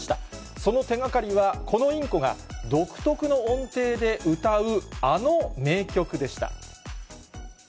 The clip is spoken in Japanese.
その手掛かりは、このインコが独特の音程で歌うあの名曲でした。